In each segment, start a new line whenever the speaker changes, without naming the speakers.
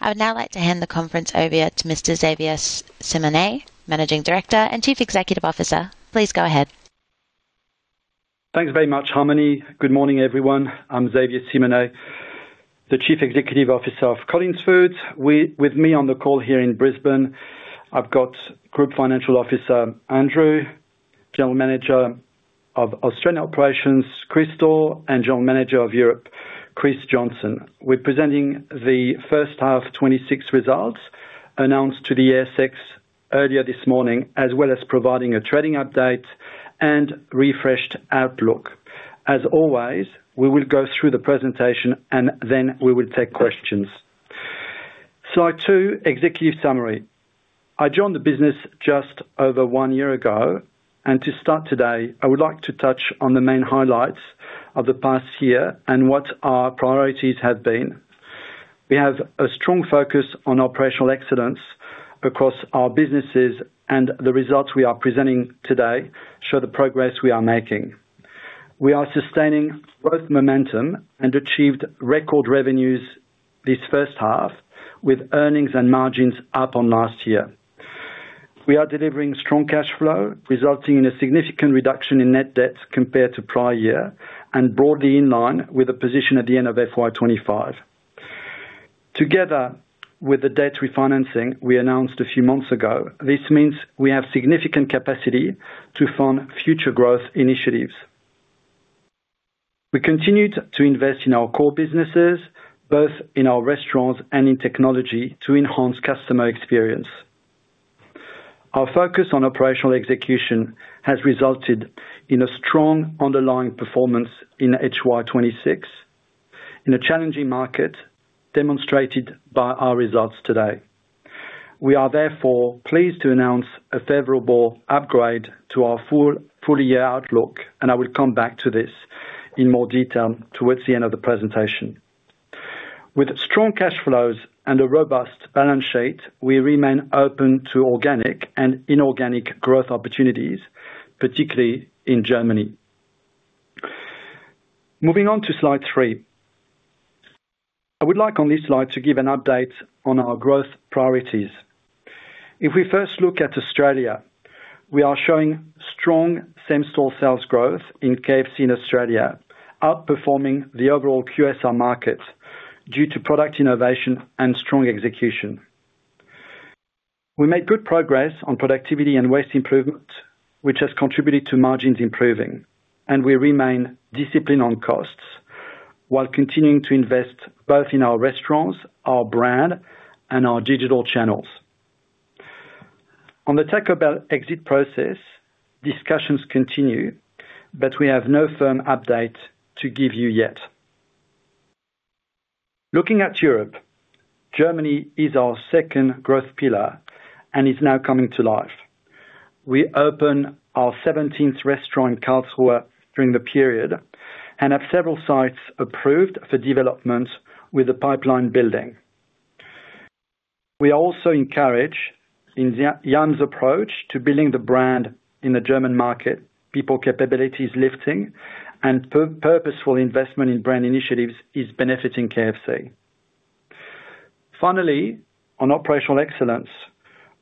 I would now like to hand the conference over to Mr. Xavier Simonet, Managing Director and Chief Executive Officer. Please go ahead.
Thanks very much, Harmony. Good morning, everyone. I'm Xavier Simonet, the Chief Executive Officer of Collins Foods. With me on the call here in Brisbane, I've got Group Financial Officer Andrew, General Manager of Australian Operations Krystal, and General Manager of Europe Chris Johnson. We're presenting the first half 2026 results announced to the ASX earlier this morning, as well as providing a trading update and refreshed outlook. As always, we will go through the presentation, and then we will take questions. Slide 2, executive summary. I joined the business just over one year ago, and to start today, I would like to touch on the main highlights of the past year and what our priorities have been. We have a strong focus on operational excellence across our businesses, and the results we are presenting today show the progress we are making. We are sustaining growth momentum and achieved record revenues this first half, with earnings and margins up on last year. We are delivering strong cash flow, resulting in a significant reduction in net debt compared to prior year and broadly in line with the position at the end of FY 2025. Together with the debt refinancing we announced a few months ago, this means we have significant capacity to fund future growth initiatives. We continued to invest in our core businesses, both in our restaurants and in technology, to enhance customer experience. Our focus on operational execution has resulted in a strong underlying performance in HY 2026, in a challenging market demonstrated by our results today. We are therefore pleased to announce a favorable upgrade to our full year outlook, and I will come back to this in more detail towards the end of the presentation. With strong cash flows and a robust balance sheet, we remain open to organic and inorganic growth opportunities, particularly in Germany. Moving on to slide 3, I would like on this slide to give an update on our growth priorities. If we first look at Australia, we are showing strong same-store sales growth in KFC in Australia, outperforming the overall QSR market due to product innovation and strong execution. We made good progress on productivity and waste improvement, which has contributed to margins improving, and we remain disciplined on costs while continuing to invest both in our restaurants, our brand, and our digital channels. On the take-about exit process, discussions continue, but we have no firm update to give you yet. Looking at Europe, Germany is our second growth pillar and is now coming to life. We open our 17th restaurant in Karlsruhe during the period and have several sites approved for development with the pipeline building. We also encourage Jan's approach to building the brand in the German market, people capabilities lifting, and purposeful investment in brand initiatives is benefiting KFC. Finally, on operational excellence,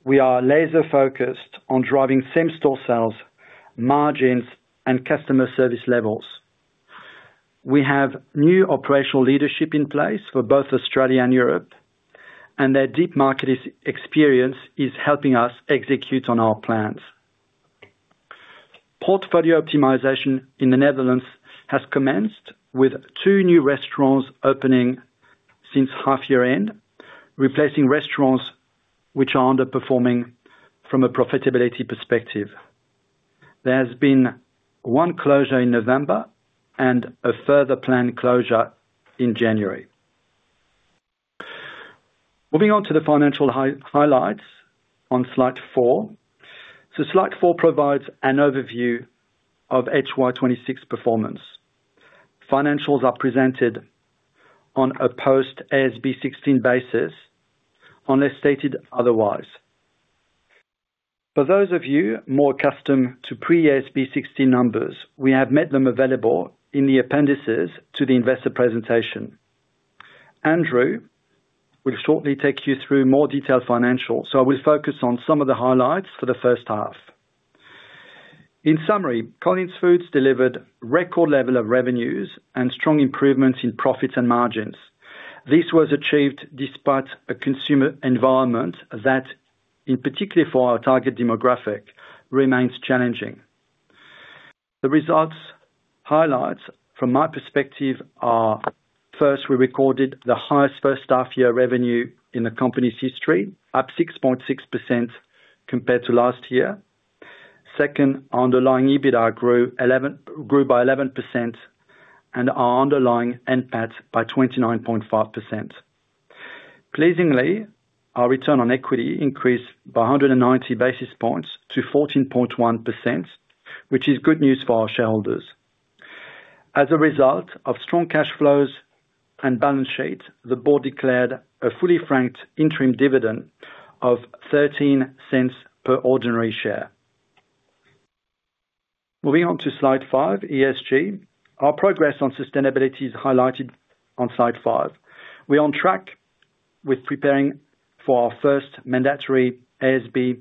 we are laser-focused on driving same-store sales, margins, and customer service levels. We have new operational leadership in place for both Australia and Europe, and their deep market experience is helping us execute on our plans. Portfolio optimization in the Netherlands has commenced with two new restaurants opening since half-year end, replacing restaurants which are underperforming from a profitability perspective. There has been one closure in November and a further planned closure in January. Moving on to the financial highlights on slide 4, slide 4 provides an overview of HY 2026 performance. Financials are presented on a post-IFRS 16 basis, unless stated otherwise. For those of you more accustomed to pre-IFRS 16 numbers, we have made them available in the appendices to the investor presentation. Andrew will shortly take you through more detailed financials, so I will focus on some of the highlights for the first half. In summary, Collins Foods delivered record level of revenues and strong improvements in profits and margins. This was achieved despite a consumer environment that, particularly for our target demographic, remains challenging. The results highlights, from my perspective, are: first, we recorded the highest first-half year revenue in the company's history, up 6.6% compared to last year. Second, our underlying EBITDA grew by 11% and our underlying NPAT by 29.5%. Pleasingly, our return on equity increased by 190 basis points to 14.1%, which is good news for our shareholders. As a result of strong cash flows and balance sheet, the board declared a fully-franked interim dividend of 0.13 per ordinary share. Moving on to slide 5, ESG, our progress on sustainability is highlighted on slide 5. We are on track with preparing for our first mandatory ASB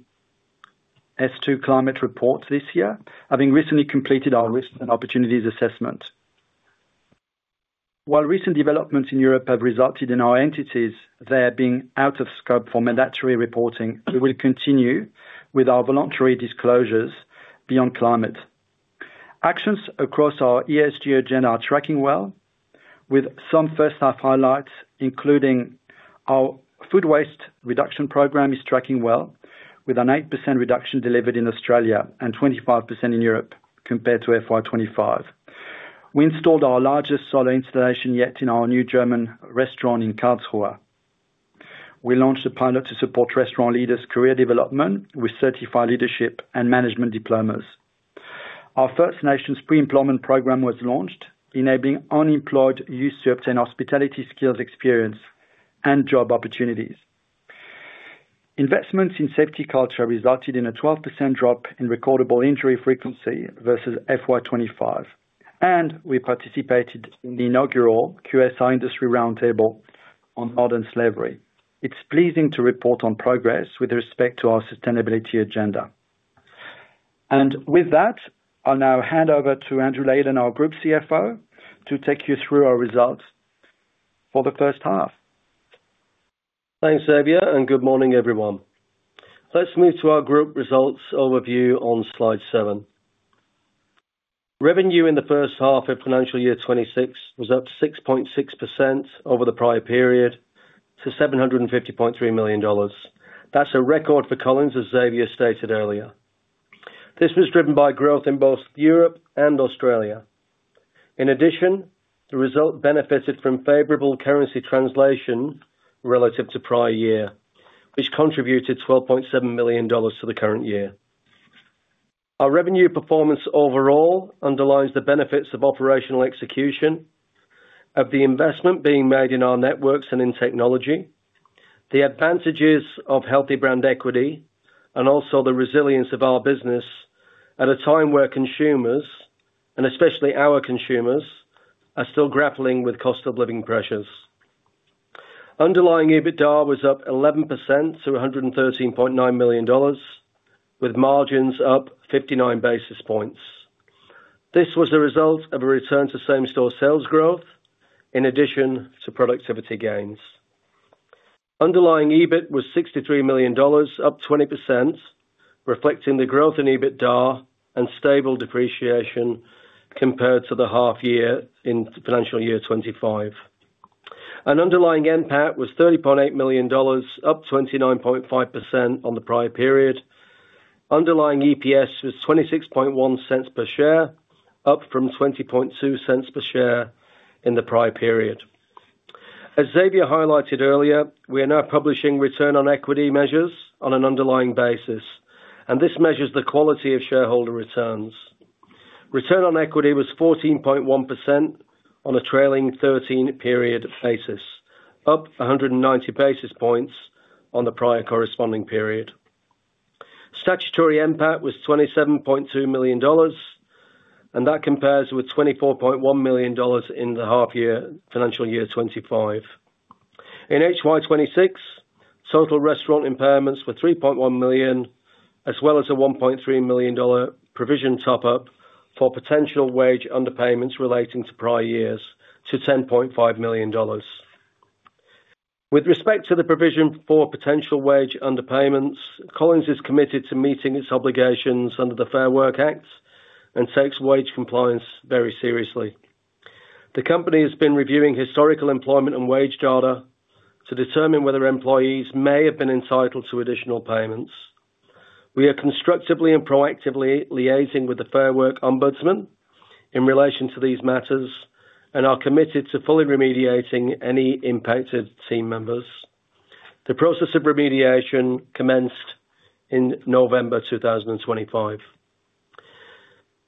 S2 climate report this year, having recently completed our risk and opportunities assessment. While recent developments in Europe have resulted in our entities being out of scope for mandatory reporting, we will continue with our voluntary disclosures beyond climate. Actions across our ESG agenda are tracking well, with some first-half highlights, including our food waste reduction program is tracking well, with an 8% reduction delivered in Australia and 25% in Europe compared to FY 2025. We installed our largest solar installation yet in our new German restaurant in Karlsruhe. We launched a pilot to support restaurant leaders' career development with certified leadership and management diplomas. Our First Nations Pre-Employment Program was launched, enabling unemployed youth to obtain hospitality skills experience and job opportunities. Investments in safety culture resulted in a 12% drop in recordable injury frequency versus FY 2025, and we participated in the inaugural QSR Industry Roundtable on Modern Slavery. It is pleasing to report on progress with respect to our sustainability agenda. With that, I will now hand over to Andrew Leyden, our Group CFO, to take you through our results for the first half.
Thanks, Xavier, and good morning, everyone. Let's move to our Group Results Overview on slide 7. Revenue in the first half of financial year 2026 was up 6.6% over the prior period to $750.3 million. That's a record for Collins, as Xavier stated earlier. This was driven by growth in both Europe and Australia. In addition, the result benefited from favorable currency translation relative to prior year, which contributed $12.7 million to the current year. Our revenue performance overall underlines the benefits of operational execution, of the investment being made in our networks and in technology, the advantages of healthy brand equity, and also the resilience of our business at a time where consumers, and especially our consumers, are still grappling with cost of living pressures. Underlying EBITDA was up 11% to $113.9 million, with margins up 59 basis points. This was a result of a return to same-store sales growth in addition to productivity gains. Underlying EBIT was 63 million dollars, up 20%, reflecting the growth in EBITDA and stable depreciation compared to the half-year in financial year 2025. An underlying NPAT was 30.8 million dollars, up 29.5% on the prior period. Underlying EPS was 0.261 per share, up from 0.202 per share in the prior period. As Xavier highlighted earlier, we are now publishing return on equity measures on an underlying basis, and this measures the quality of shareholder returns. Return on equity was 14.1% on a trailing 13-period basis, up 190 basis points on the prior corresponding period. Statutory NPAT was 27.2 million dollars, and that compares with 24.1 million dollars in the half-year financial year 2025. In HY26, total restaurant impairments were 3.1 million, as well as a 1.3 million dollar provision top-up for potential wage underpayments relating to prior years to 10.5 million dollars. With respect to the provision for potential wage underpayments, Collins is committed to meeting its obligations under the Fair Work Act and takes wage compliance very seriously. The company has been reviewing historical employment and wage data to determine whether employees may have been entitled to additional payments. We are constructively and proactively liaising with the Fair Work Ombudsman in relation to these matters and are committed to fully remediating any impacted team members. The process of remediation commenced in November 2025.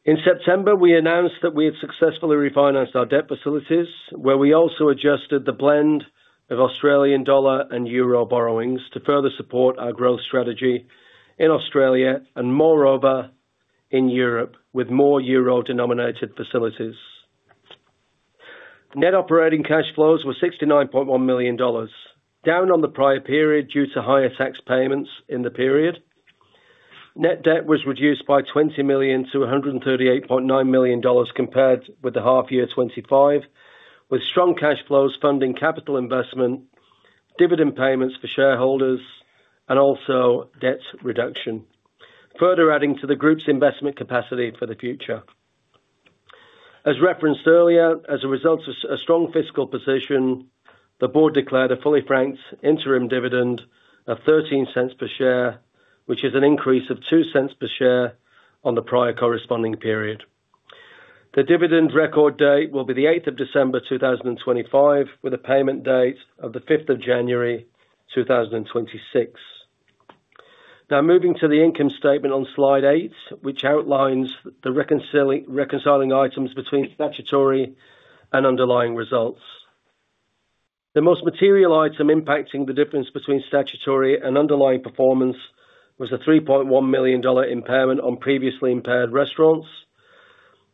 In September, we announced that we had successfully refinanced our debt facilities, where we also adjusted the blend of Australian dollar and euro borrowings to further support our growth strategy in Australia and, moreover, in Europe with more euro-denominated facilities. Net operating cash flows were 69.1 million dollars, down on the prior period due to higher tax payments in the period. Net debt was reduced by 20 million to 138.9 million dollars compared with the half-year 2025, with strong cash flows funding capital investment, dividend payments for shareholders, and also debt reduction, further adding to the group's investment capacity for the future. As referenced earlier, as a result of a strong fiscal position, the board declared a fully-franked interim dividend of 0.13 per share, which is an increase of 0.02 per share on the prior corresponding period. The dividend record date will be the 8th of December 2025, with a payment date of the 5th of January 2026. Now moving to the income statement on slide 8, which outlines the reconciling items between statutory and underlying results. The most material item impacting the difference between statutory and underlying performance was a 3.1 million dollar impairment on previously impaired restaurants.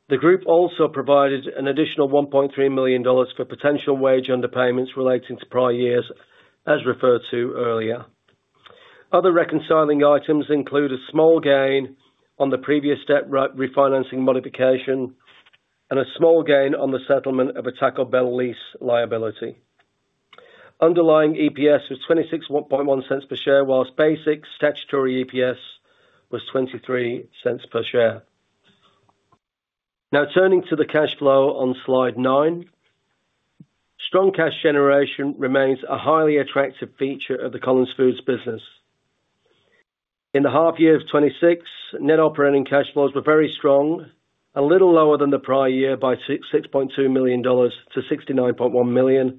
The group also provided an additional 1.3 million dollars for potential wage underpayments relating to prior years, as referred to earlier. Other reconciling items include a small gain on the previous debt refinancing modification and a small gain on the settlement of a take-about lease liability. Underlying EPS was 0.261 per share, whilst basic statutory EPS was 0.23 per share. Now turning to the cash flow on slide 9, strong cash generation remains a highly attractive feature of the Collins Foods business. In the half-year of 2026, net operating cash flows were very strong, a little lower than the prior year by 6.2 million-69.1 million dollars,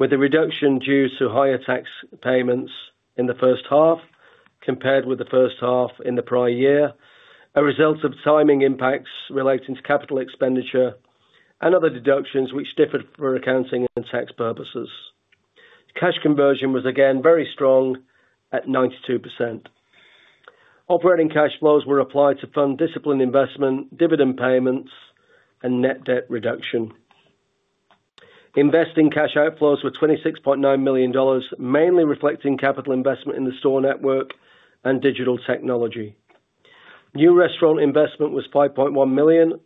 with a reduction due to higher tax payments in the first half compared with the first half in the prior year, a result of timing impacts relating to capital expenditure and other deductions which differed for accounting and tax purposes. Cash conversion was again very strong at 92%. Operating cash flows were applied to fund disciplined investment, dividend payments, and net debt reduction. Investing cash outflows were 26.9 million dollars, mainly reflecting capital investment in the store network and digital technology. New restaurant investment was 5.1 million.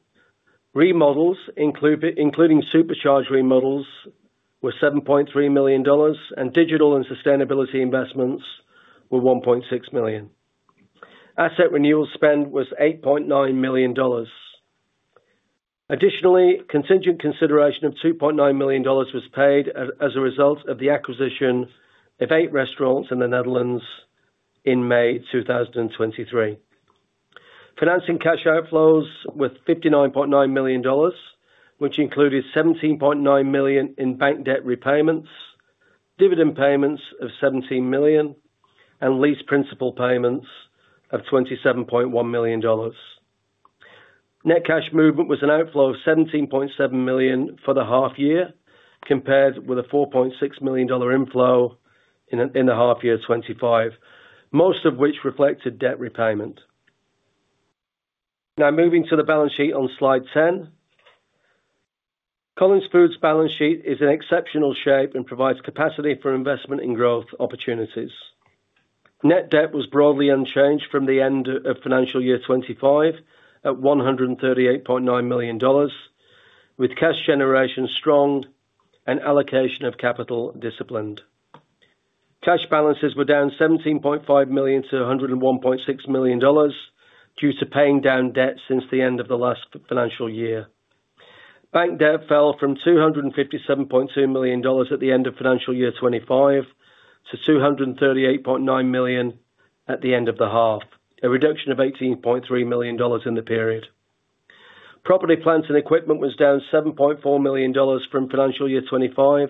Remodels, including supercharged remodels, were 7.3 million dollars, and digital and sustainability investments were 1.6 million. Asset renewal spend was 8.9 million dollars. Additionally, contingent consideration of 2.9 million dollars was paid as a result of the acquisition of eight restaurants in the Netherlands in May 2023. Financing cash outflows were 59.9 million dollars, which included 17.9 million in bank debt repayments, dividend payments of 17 million, and lease principal payments of 27.1 million dollars. Net cash movement was an outflow of 17.7 million for the half-year compared with a 4.6 million dollar inflow in the half-year 2025, most of which reflected debt repayment. Now moving to the balance sheet on slide 10, Collins Foods' balance sheet is in exceptional shape and provides capacity for investment and growth opportunities. Net debt was broadly unchanged from the end of financial year 2025 at 138.9 million dollars, with cash generation strong and allocation of capital disciplined. Cash balances were down 17.5 million-101.6 million dollars due to paying down debt since the end of the last financial year. Bank debt fell from 257.2 million dollars at the end of financial year 2025 to 238.9 million at the end of the half, a reduction of 18.3 million dollars in the period. Property, plants, and equipment was down 7.4 million dollars from financial year 2025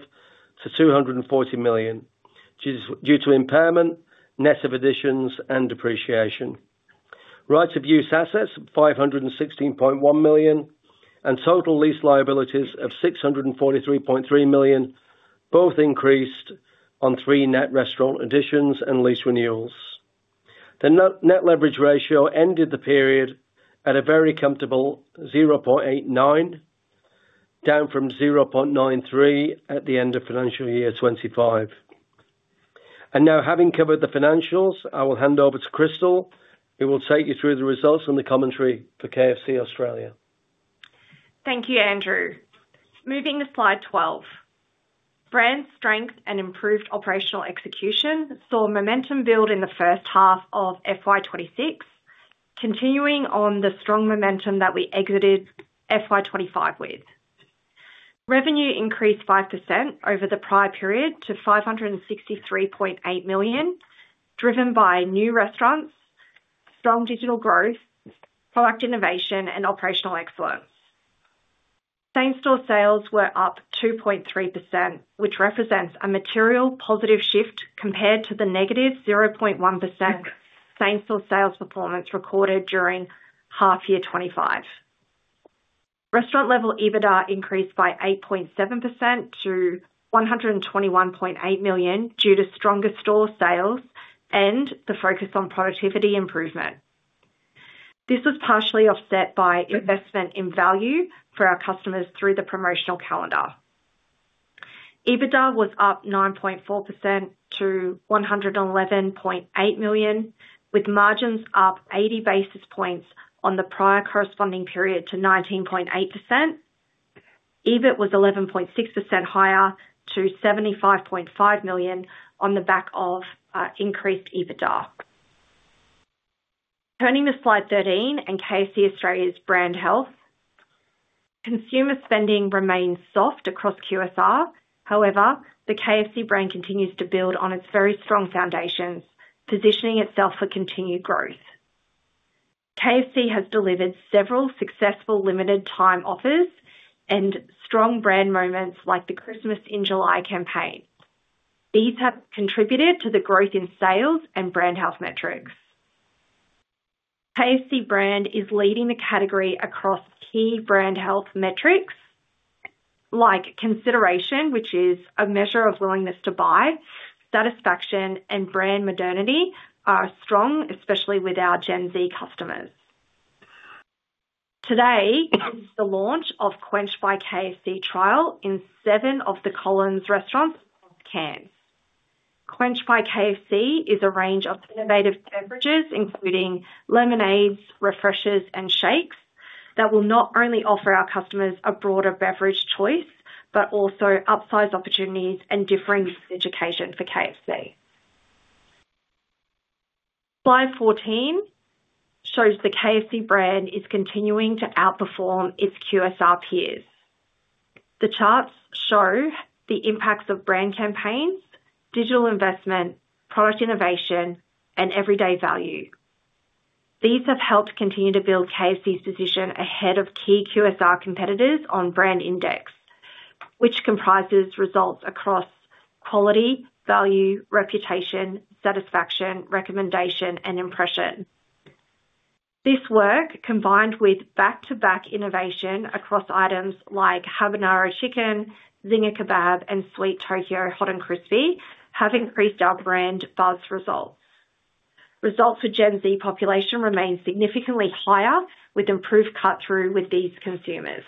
to 240 million due to impairment, net of additions and depreciation. Rights of use assets of 516.1 million and total lease liabilities of 643.3 million both increased on three net restaurant additions and lease renewals. The net leverage ratio ended the period at a very comfortable 0.89, down from 0.93 at the end of financial year 2025. Now, having covered the financials, I will hand over to Krystal, who will take you through the results and the commentary for KFC Australia.
Thank you, Andrew. Moving to slide 12, brand strength and improved operational execution saw momentum build in the first half of FY 2026, continuing on the strong momentum that we exited FY 2025 with. Revenue increased 5% over the prior period to 563.8 million, driven by new restaurants, strong digital growth, product innovation, and operational excellence. Same-store sales were up 2.3%, which represents a material positive shift compared to the negative 0.1% same-store sales performance recorded during half-year 2025. Restaurant-level EBITDA increased by 8.7% to 121.8 million due to stronger store sales and the focus on productivity improvement. This was partially offset by investment in value for our customers through the promotional calendar. EBITDA was up 9.4% to 111.8 million, with margins up 80 basis points on the prior corresponding period to 19.8%. EBIT was 11.6% higher to 75.5 million on the back of increased EBITDA. Turning to slide 13 and KFC Australia's brand health, consumer spending remains soft across QSR. However, the KFC brand continues to build on its very strong foundations, positioning itself for continued growth. KFC has delivered several successful limited-time offers and strong brand moments like the Christmas in July campaign. These have contributed to the growth in sales and brand health metrics. KFC brand is leading the category across key brand health metrics like consideration, which is a measure of willingness to buy. Satisfaction and brand modernity are strong, especially with our Gen Z customers. Today is the launch of Quenched by KFC trial in seven of the Collins restaurants in Cairns. Quenched by KFC is a range of innovative beverages, including lemonades, refreshers, and shakes, that will not only offer our customers a broader beverage choice but also upsize opportunities and differing education for KFC. Slide 14 shows the KFC brand is continuing to outperform its QSR peers. The charts show the impacts of brand campaigns, digital investment, product innovation, and everyday value. These have helped continue to build KFC's position ahead of key QSR competitors on brand index, which comprises results across quality, value, reputation, satisfaction, recommendation, and impression. This work, combined with back-to-back innovation across items like Habanero Chicken, Zinger Kebab, and Sweet Tokyo Hot and Crispy, have increased our brand buzz results. Results for Gen Z population remain significantly higher, with improved cut-through with these consumers.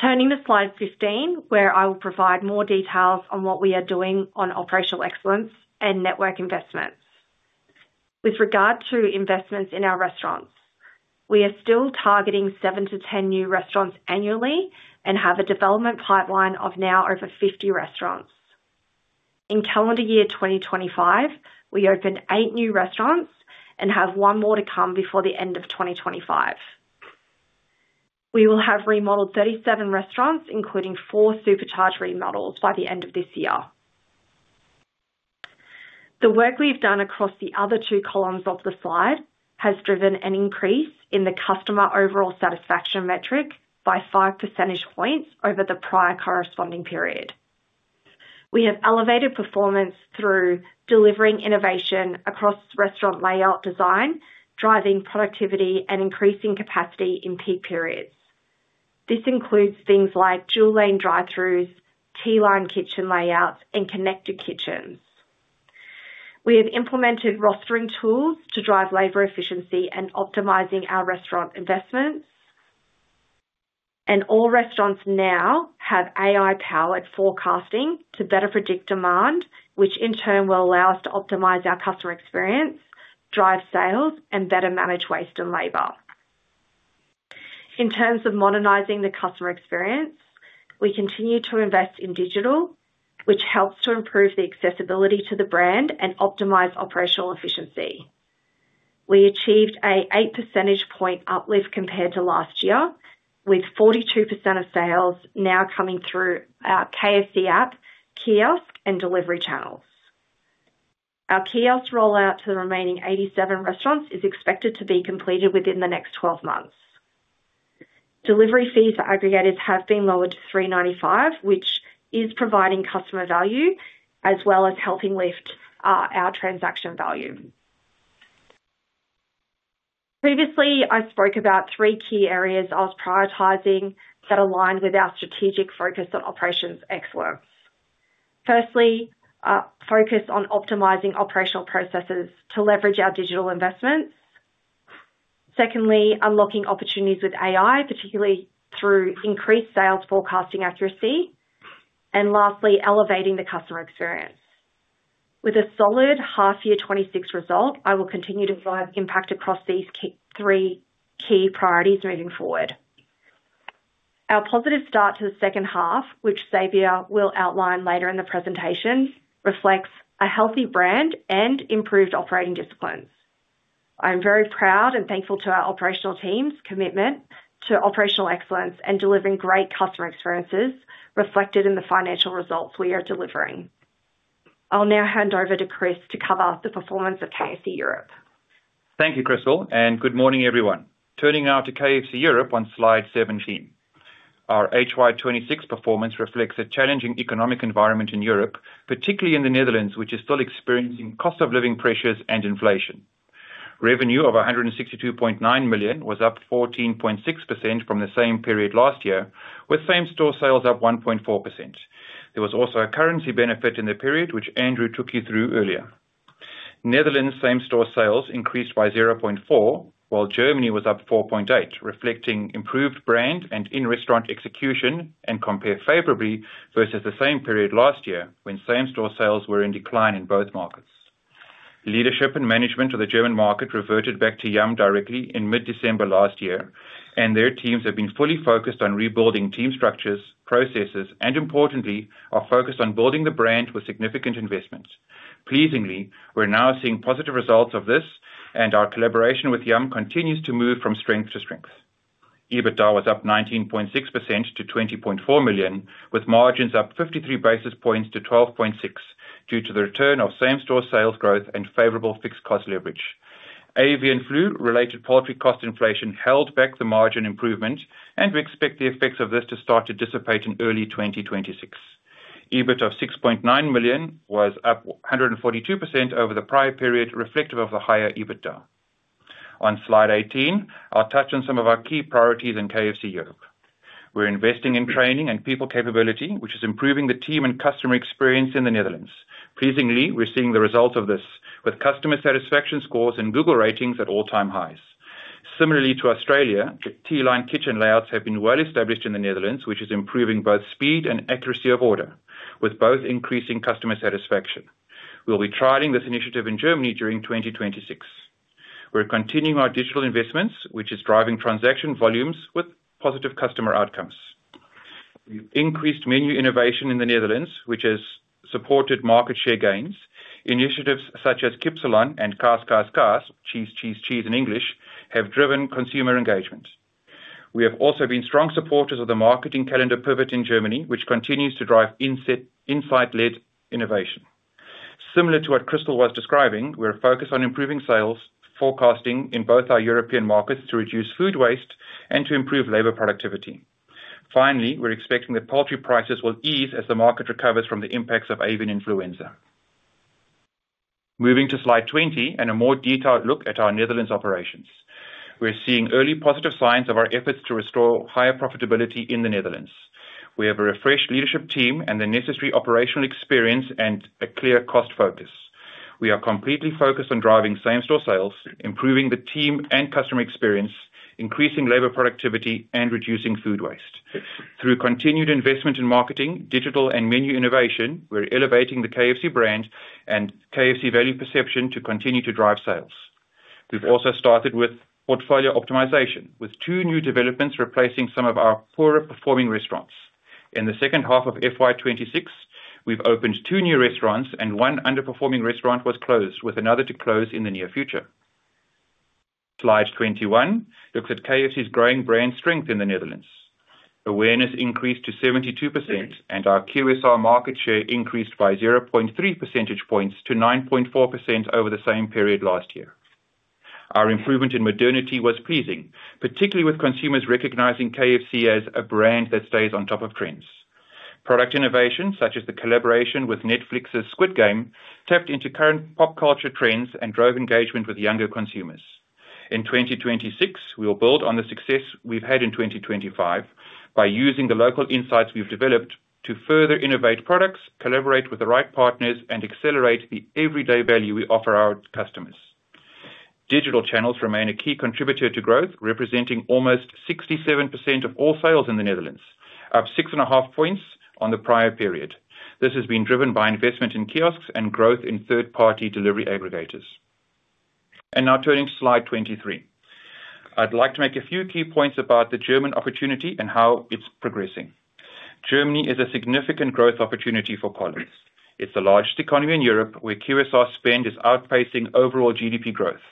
Turning to slide 15, where I will provide more details on what we are doing on operational excellence and network investments. With regard to investments in our restaurants, we are still targeting 7-10 new restaurants annually and have a development pipeline of now over 50 restaurants. In calendar year 2025, we opened eight new restaurants and have one more to come before the end of 2025. We will have remodeled 37 restaurants, including four supercharged remodels, by the end of this year. The work we've done across the other two columns of the slide has driven an increase in the customer overall satisfaction metric by 5 percentage points over the prior corresponding period. We have elevated performance through delivering innovation across restaurant layout design, driving productivity, and increasing capacity in peak periods. This includes things like dual-lane drive-throughs, T-line kitchen layouts, and connected kitchens. We have implemented rostering tools to drive labor efficiency and optimizing our restaurant investments. All restaurants now have AI-powered forecasting to better predict demand, which in turn will allow us to optimize our customer experience, drive sales, and better manage waste and labor. In terms of modernizing the customer experience, we continue to invest in digital, which helps to improve the accessibility to the brand and optimize operational efficiency. We achieved an 8 percentage point uplift compared to last year, with 42% of sales now coming through our KFC app, kiosk, and delivery channels. Our kiosk rollout to the remaining 87 restaurants is expected to be completed within the next 12 months. Delivery fees for aggregators have been lowered to 3.95, which is providing customer value as well as helping lift our transaction value. Previously, I spoke about three key areas I was prioritizing that aligned with our strategic focus on operations excellence. Firstly, focus on optimizing operational processes to leverage our digital investments. Secondly, unlocking opportunities with AI, particularly through increased sales forecasting accuracy. Lastly, elevating the customer experience. With a solid half-year 2026 result, I will continue to drive impact across these three key priorities moving forward. Our positive start to the second half, which Xavier will outline later in the presentation, reflects a healthy brand and improved operating disciplines. I'm very proud and thankful to our operational team's commitment to operational excellence and delivering great customer experiences reflected in the financial results we are delivering. I'll now hand over to Chris to cover the performance of KFC Europe.
Thank you, Krystal, and good morning, everyone. Turning now to KFC Europe on slide 17, our HY 2026 performance reflects a challenging economic environment in Europe, particularly in the Netherlands, which is still experiencing cost-of-living pressures and inflation. Revenue of 162.9 million was up 14.6% from the same period last year, with same-store sales up 1.4%. There was also a currency benefit in the period, which Andrew took you through earlier. Netherlands' same-store sales increased by 0.4%, while Germany was up 4.8%, reflecting improved brand and in-restaurant execution and compare favorably versus the same period last year when same-store sales were in decline in both markets. Leadership and management of the German market reverted back to Yum directly in mid-December last year, and their teams have been fully focused on rebuilding team structures, processes, and importantly, are focused on building the brand with significant investment. Pleasingly, we're now seeing positive results of this, and our collaboration with Yum continues to move from strength to strength. EBITDA was up 19.6% to $20.4 million, with margins up 53 basis points to 12.6% due to the return of same-store sales growth and favorable fixed cost leverage. Avian flu-related poultry cost inflation held back the margin improvement, and we expect the effects of this to start to dissipate in early 2026. EBIT of $6.9 million was up 142% over the prior period, reflective of the higher EBITDA. On slide 18, I'll touch on some of our key priorities in KFC Europe. We're investing in training and people capability, which is improving the team and customer experience in the Netherlands. Pleasingly, we're seeing the results of this, with customer satisfaction scores and Google ratings at all-time highs. Similarly to Australia, T-line kitchen layouts have been well established in the Netherlands, which is improving both speed and accuracy of order, with both increasing customer satisfaction. We will be trialing this initiative in Germany during 2026. We are continuing our digital investments, which is driving transaction volumes with positive customer outcomes. We have increased menu innovation in the Netherlands, which has supported market share gains. Initiatives such as Kipsalan and Kaas, Kaas, Kaas—cheese, cheese, cheese in English—have driven consumer engagement. We have also been strong supporters of the marketing calendar pivot in Germany, which continues to drive insight-led innovation. Similar to what Krystal was describing, we are focused on improving sales forecasting in both our European markets to reduce food waste and to improve labor productivity. Finally, we are expecting that poultry prices will ease as the market recovers from the impacts of avian flu. Moving to slide 20 and a more detailed look at our Netherlands operations. We're seeing early positive signs of our efforts to restore higher profitability in the Netherlands. We have a refreshed leadership team and the necessary operational experience and a clear cost focus. We are completely focused on driving same-store sales, improving the team and customer experience, increasing labor productivity, and reducing food waste. Through continued investment in marketing, digital, and menu innovation, we're elevating the KFC brand and KFC value perception to continue to drive sales. We've also started with portfolio optimization, with two new developments replacing some of our poorer-performing restaurants. In the second half of FY 2026, we've opened two new restaurants, and one underperforming restaurant was closed, with another to close in the near future. Slide 21 looks at KFC's growing brand strength in the Netherlands. Awareness increased to 72%, and our QSR market share increased by 0.3 percentage points to 9.4% over the same period last year. Our improvement in modernity was pleasing, particularly with consumers recognizing KFC as a brand that stays on top of trends. Product innovation, such as the collaboration with Netflix's Squid Game, tapped into current pop culture trends and drove engagement with younger consumers. In 2026, we will build on the success we've had in 2025 by using the local insights we've developed to further innovate products, collaborate with the right partners, and accelerate the everyday value we offer our customers. Digital channels remain a key contributor to growth, representing almost 67% of all sales in the Netherlands, up 6.5 points on the prior period. This has been driven by investment in kiosks and growth in third-party delivery aggregators. Now turning to slide 23, I'd like to make a few key points about the German opportunity and how it's progressing. Germany is a significant growth opportunity for Collins. It's the largest economy in Europe, where QSR spend is outpacing overall GDP growth.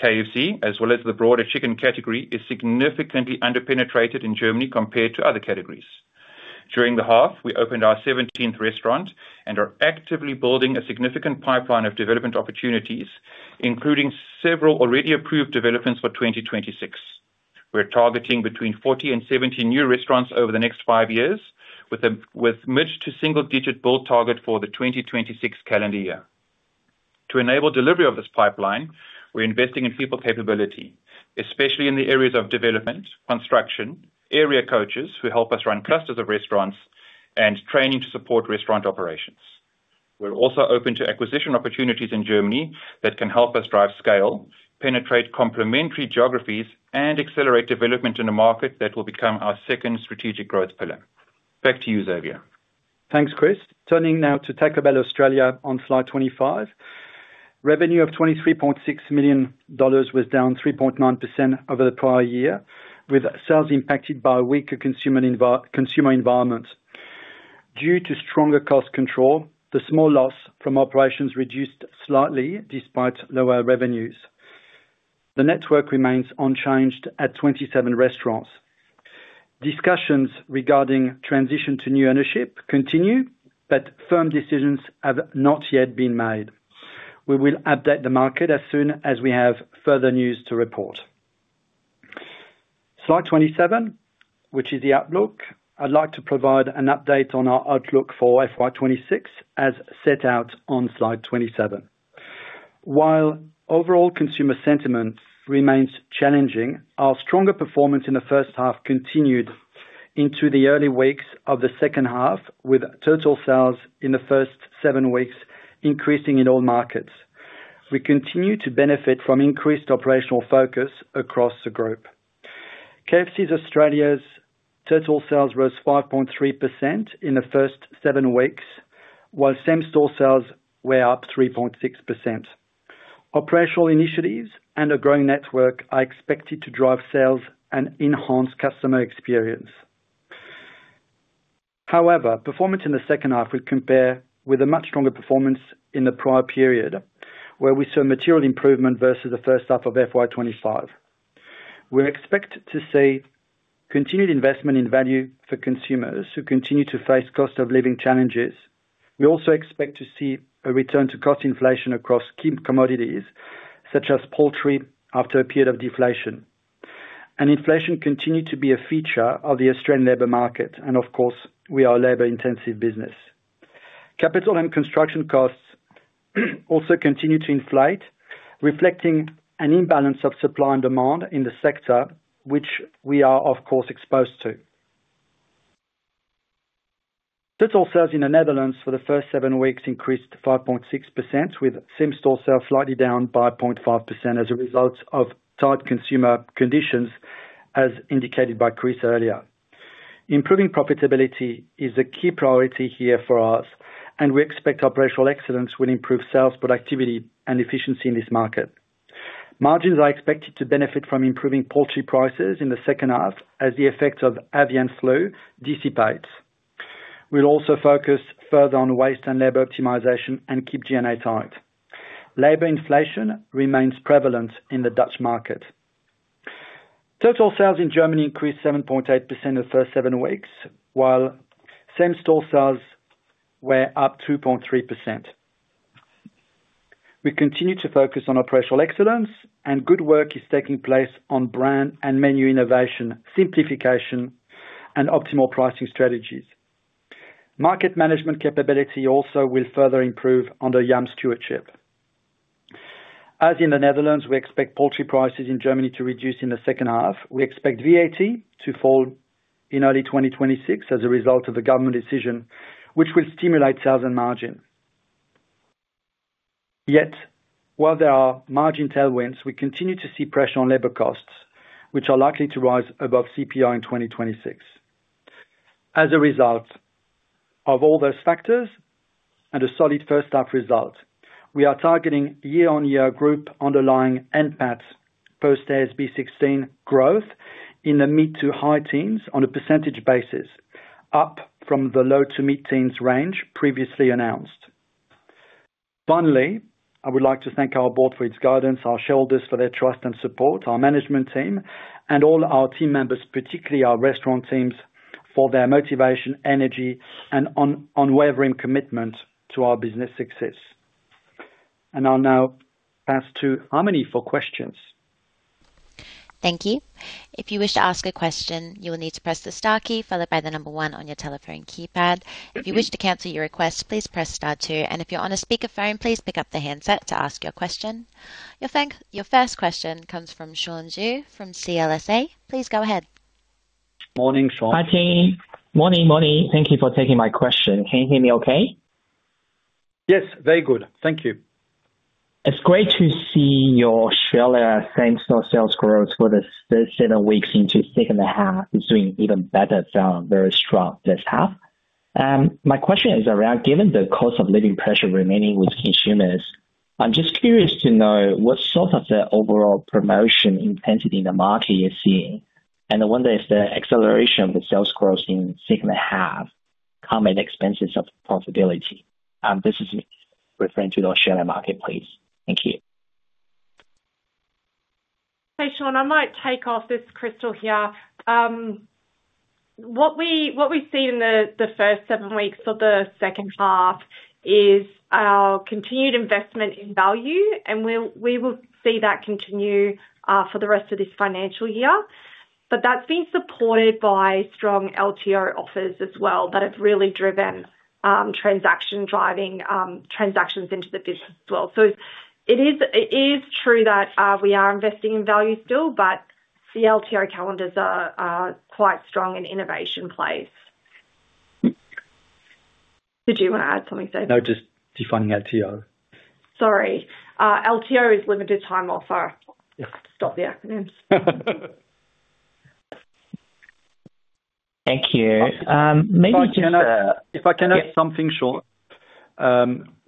KFC, as well as the broader chicken category, is significantly underpenetrated in Germany compared to other categories. During the half, we opened our 17th restaurant and are actively building a significant pipeline of development opportunities, including several already approved developments for 2026. We're targeting between 40-70 new restaurants over the next five years, with a mid to single-digit bold target for the 2026 calendar year. To enable delivery of this pipeline, we're investing in people capability, especially in the areas of development, construction, area coaches who help us run clusters of restaurants, and training to support restaurant operations. We're also open to acquisition opportunities in Germany that can help us drive scale, penetrate complementary geographies, and accelerate development in a market that will become our second strategic growth pillar. Back to you, Xavier.
Thanks, Chris. Turning now to Taco Bell Australia on slide 25. Revenue of 23.6 million dollars was down 3.9% over the prior year, with sales impacted by a weaker consumer environment. Due to stronger cost control, the small loss from operations reduced slightly despite lower revenues. The network remains unchanged at 27 restaurants. Discussions regarding transition to new ownership continue, but firm decisions have not yet been made. We will update the market as soon as we have further news to report. Slide 27, which is the outlook, I'd like to provide an update on our outlook for FY 2026 as set out on slide 27. While overall consumer sentiment remains challenging, our stronger performance in the first half continued into the early weeks of the second half, with total sales in the first seven weeks increasing in all markets. We continue to benefit from increased operational focus across the group. KFC Australia's total sales rose 5.3% in the first seven weeks, while same-store sales were up 3.6%. Operational initiatives and a growing network are expected to drive sales and enhance customer experience. However, performance in the second half would compare with a much stronger performance in the prior period, where we saw material improvement versus the first half of FY 2025. We expect to see continued investment in value for consumers who continue to face cost-of-living challenges. We also expect to see a return to cost inflation across key commodities such as poultry after a period of deflation. Inflation continued to be a feature of the Australian labor market, and of course, we are a labor-intensive business. Capital and construction costs also continue to inflate, reflecting an imbalance of supply and demand in the sector, which we are of course exposed to. Total sales in the Netherlands for the first seven weeks increased 5.6%, with same-store sales slightly down by 0.5% as a result of tight consumer conditions, as indicated by Chris earlier. Improving profitability is a key priority here for us, and we expect operational excellence will improve sales productivity and efficiency in this market. Margins are expected to benefit from improving poultry prices in the second half as the effects of avian flu dissipate. We'll also focus further on waste and labor optimization and keep G&A tight. Labor inflation remains prevalent in the Dutch market. Total sales in Germany increased 7.8% the first seven weeks, while same-store sales were up 2.3%. We continue to focus on operational excellence, and good work is taking place on brand and menu innovation, simplification, and optimal pricing strategies. Market management capability also will further improve under Yum stewardship. As in the Netherlands, we expect poultry prices in Germany to reduce in the second half. We expect VAT to fall in early 2026 as a result of the government decision, which will stimulate sales and margin. Yet, while there are margin tailwinds, we continue to see pressure on labor costs, which are likely to rise above CPI in 2026. As a result of all those factors and a solid first-half result, we are targeting year-on-year group underlying NPAT post-IFRS 16 growth in the mid to high teens on a percentage basis, up from the low to mid-teens range previously announced. Finally, I would like to thank our board for its guidance, our shareholders for their trust and support, our management team, and all our team members, particularly our restaurant teams, for their motivation, energy, and unwavering commitment to our business success. I'll now pass to Harmony for questions.
Thank you. If you wish to ask a question, you will need to press the star key followed by the number one on your telephone keypad. If you wish to cancel your request, please press star two. If you're on a speakerphone, please pick up the handset to ask your question. Your first question comes from Xuan Zhu from CLSA. Please go ahead.
Morning, Xuan. Morning. Morning, Morning. Thank you for taking my question. Can you hear me okay? Yes, very good. Thank you. It's great to see your shareholder same-store sales growth for the first seven weeks into the second half is doing even better, sounds very strong this half. My question is around, given the cost-of-living pressure remaining with consumers, I'm just curious to know what sort of overall promotion intensity in the market you're seeing, and I wonder if the acceleration of the sales growth in the second half comes at expenses of profitability. This is referring to the Australian market, please. Thank you.
Hi, Xuan. I might take off this Krystal here. What we've seen in the first seven weeks of the second half is our continued investment in value, and we will see that continue for the rest of this financial year. That has been supported by strong LTO offers as well that have really driven transactions into the business as well. It is true that we are investing in value still, but the LTO calendars are quite strong in innovation place. Did you want to add something, Xavier?
No, just defining LTO.
Sorry. LTO is limited time offer. Stop the acronyms. Thank you.
Thank you. If I can add something, Xuan.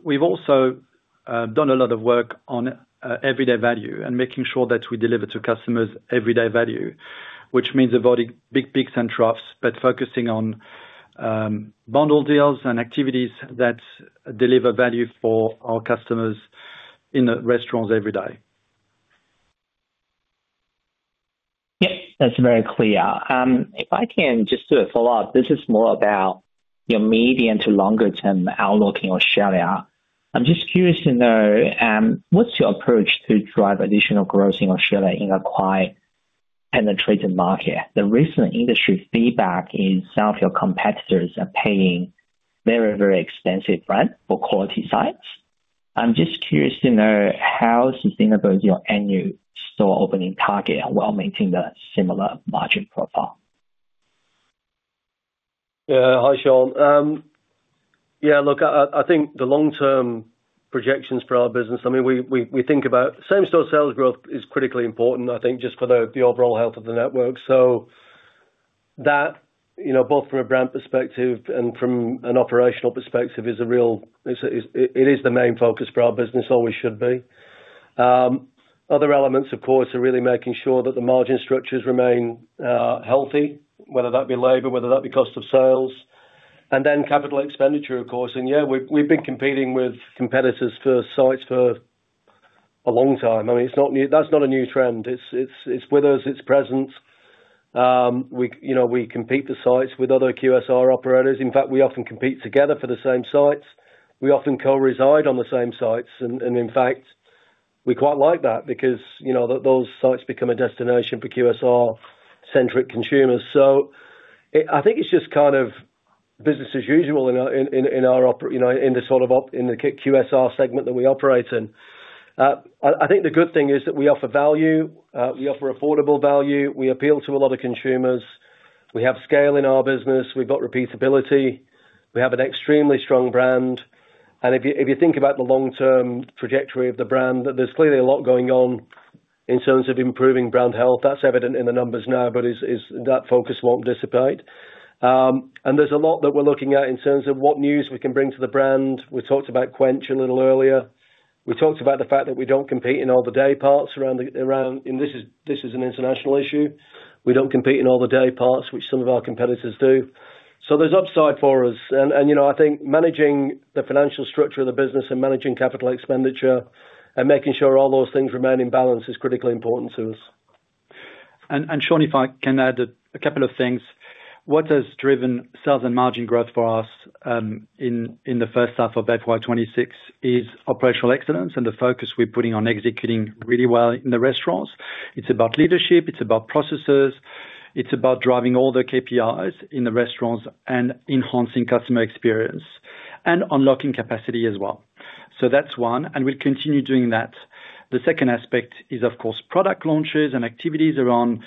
We've also done a lot of work on everyday value and making sure that we deliver to customers everyday value, which means avoiding big peaks and troughs, but focusing on bundle deals and activities that deliver value for our customers in the restaurants every day. Yep, that's very clear. If I can just do a follow-up, this is more about your medium to longer-term outlook in Australia. I'm just curious to know, what's your approach to drive additional growth in Australia in a quite penetrated market? The recent industry feedback is some of your competitors are paying very, very expensive rent for quality sites. I'm just curious to know how sustainable is your annual store opening target while maintaining a similar margin profile? Hi, Xuan. Yeah, look, I think the long-term projections for our business, I mean, we think about same-store sales growth is critically important, I think, just for the overall health of the network. That, both from a brand perspective and from an operational perspective, is a real—it is the main focus for our business, always should be. Other elements, of course, are really making sure that the margin structures remain healthy, whether that be labor, whether that be cost of sales, and then capital expenditure, of course. Yeah, we've been competing with competitors for sites for a long time. I mean, that's not a new trend. It's with us. It's present. We compete for sites with other QSR operators. In fact, we often compete together for the same sites. We often co-reside on the same sites. In fact, we quite like that because those sites become a destination for QSR-centric consumers. I think it's just kind of business as usual in our—in the sort of in the QSR segment that we operate in. I think the good thing is that we offer value. We offer affordable value. We appeal to a lot of consumers. We have scale in our business. We've got repeatability. We have an extremely strong brand. If you think about the long-term trajectory of the brand, there's clearly a lot going on in terms of improving brand health. That's evident in the numbers now, but that focus won't dissipate. There's a lot that we're looking at in terms of what news we can bring to the brand. We talked about Quench a little earlier. We talked about the fact that we don't compete in all the day parts around—and this is an international issue. We don't compete in all the day parts, which some of our competitors do. There is upside for us. I think managing the financial structure of the business and managing capital expenditure and making sure all those things remain in balance is critically important to us.
Xuan, if I can add a couple of things, what has driven sales and margin growth for us in the first half of FY 2026 is operational excellence and the focus we're putting on executing really well in the restaurants. It's about leadership. It's about processes. It's about driving all the KPIs in the restaurants and enhancing customer experience and unlocking capacity as well. That is one. We will continue doing that. The second aspect is, of course, product launches and activities around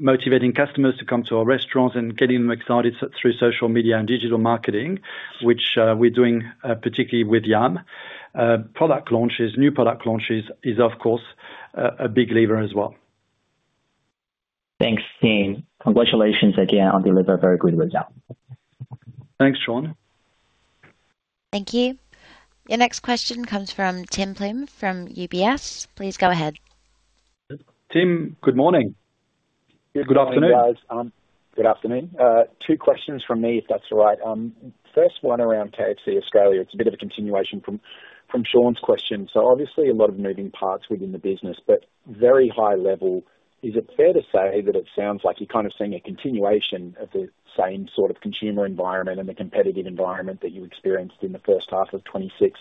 motivating customers to come to our restaurants and getting them excited through social media and digital marketing, which we're doing particularly with Yum. Product launches, new product launches is, of course, a big lever as well. Thanks, Tim. Congratulations again on delivering a very good result.
Thanks, Xuan.
Thank you. Your next question comes from Tim Plumbe from UBS. Please go ahead.
Tim, good morning. Good afternoon.
Hi, guys. Good afternoon. Two questions from me, if that's all right. First one around KFC Australia. It's a bit of a continuation from Xuan's question. Obviously, a lot of moving parts within the business, but very high level, is it fair to say that it sounds like you're kind of seeing a continuation of the same sort of consumer environment and the competitive environment that you experienced in the first half of 2026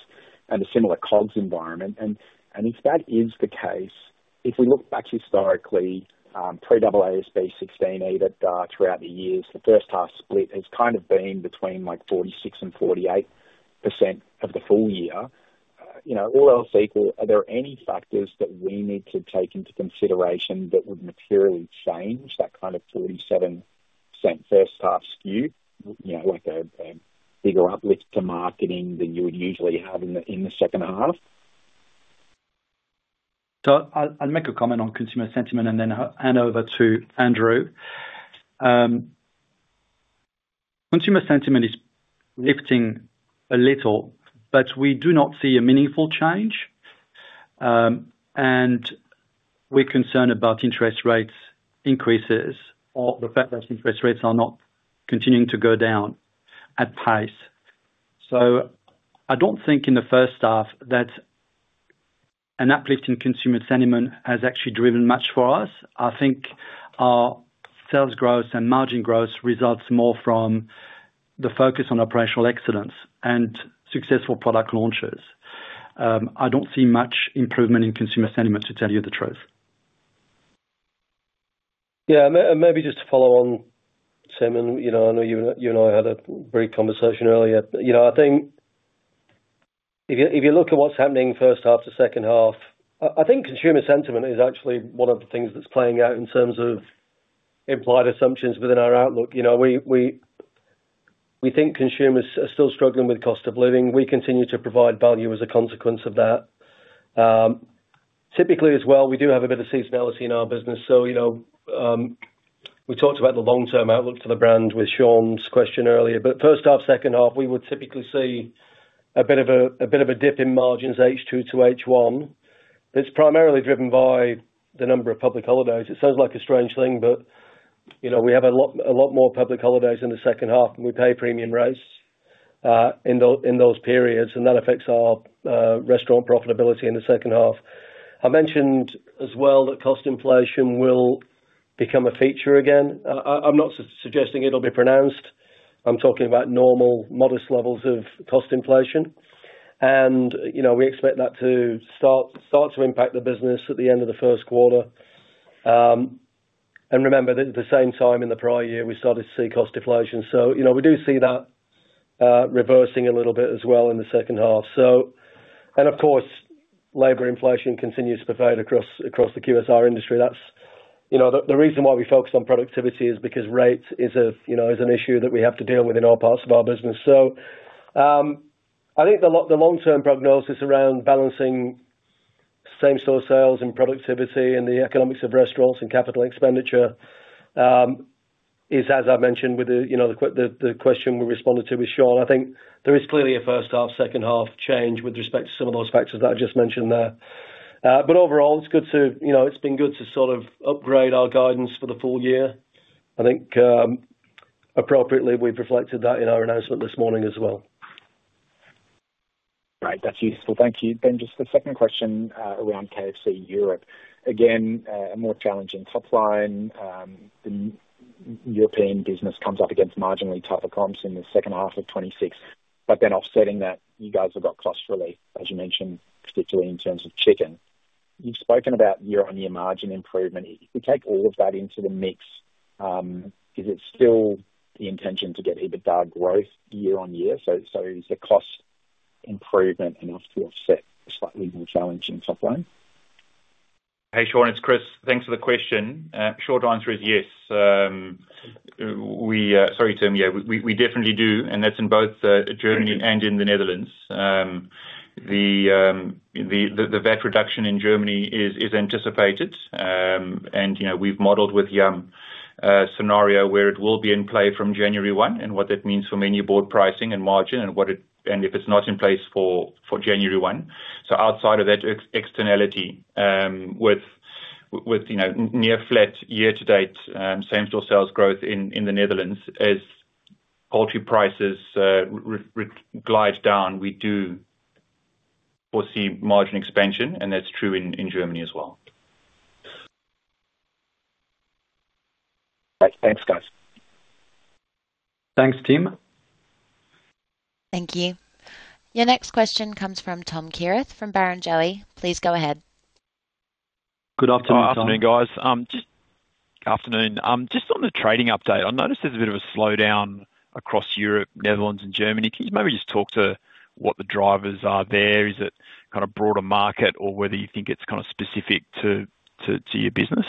and a similar COGS environment? If that is the case, if we look back historically, pre-IFRS 16, even throughout the years, the first-half split has kind of been between 46% and 48% of the full year. All else equal, are there any factors that we need to take into consideration that would materially change that kind of 47% first-half skew, like a bigger uplift to marketing than you would usually have in the second half?
I'll make a comment on consumer sentiment and then hand over to Andrew. Consumer sentiment is lifting a little, but we do not see a meaningful change. We're concerned about interest rates increases or the fact that interest rates are not continuing to go down at price. I don't think in the first half that an uplift in consumer sentiment has actually driven much for us. I think our sales growth and margin growth results more from the focus on operational excellence and successful product launches. I don't see much improvement in consumer sentiment, to tell you the truth.
Yeah, maybe just to follow on, Tim, I know you and I had a great conversation earlier. I think if you look at what's happening first half to second half, I think consumer sentiment is actually one of the things that's playing out in terms of implied assumptions within our outlook. We think consumers are still struggling with cost of living. We continue to provide value as a consequence of that. Typically as well, we do have a bit of seasonality in our business. We talked about the long-term outlook for the brand with Xuan's question earlier. First half, second half, we would typically see a bit of a dip in margins, H2 to H1. It's primarily driven by the number of public holidays. It sounds like a strange thing, but we have a lot more public holidays in the second half, and we pay premium rates in those periods, and that affects our restaurant profitability in the second half. I mentioned as well that cost inflation will become a feature again. I'm not suggesting it'll be pronounced. I'm talking about normal, modest levels of cost inflation. We expect that to start to impact the business at the end of the first quarter. Remember, at the same time in the prior year, we started to see cost deflation. We do see that reversing a little bit as well in the second half. Of course, labor inflation continues to fade across the QSR industry. The reason why we focus on productivity is because rate is an issue that we have to deal with in all parts of our business. I think the long-term prognosis around balancing same-store sales and productivity and the economics of restaurants and capital expenditure is, as I mentioned, with the question we responded to with Xuan. I think there is clearly a first-half, second-half change with respect to some of those factors that I just mentioned there. Overall, it's good to—it's been good to sort of upgrade our guidance for the full year. I think appropriately, we've reflected that in our announcement this morning as well.
Right. That's useful. Thank you. Just a second question around KFC Europe. Again, a more challenging top line. The European business comes up against marginally tougher comps in the second half of 2026. Offsetting that, you guys have got cost relief, as you mentioned, particularly in terms of chicken. You've spoken about year-on-year margin improvement. If we take all of that into the mix, is it still the intention to get even that growth year on year? Is the cost improvement enough to offset a slightly more challenging top line?
Hey, Xuan. It's Chris. Thanks for the question. Short answer is yes. Sorry, Tim. Yeah, we definitely do. That's in both Germany and in the Netherlands. The VAT reduction in Germany is anticipated. We've modeled with Yum a scenario where it will be in play from January 1 and what that means for menu board pricing and margin and if it's not in place for January 1. Outside of that externality, with near-flat year-to-date same-store sales growth in the Netherlands, as poultry prices glide down, we do foresee margin expansion. That's true in Germany as well.
Right. Thanks, guys.
Thanks, Tim.
Thank you. Your next question comes from Tom Kierath from Barrenjoey. Please go ahead.
Good afternoon, Tom.
Good afternoon, guys. Good afternoon. Just on the trading update, I noticed there's a bit of a slowdown across Europe, Netherlands, and Germany. Can you maybe just talk to what the drivers are there? Is it kind of broader market or whether you think it's kind of specific to your business?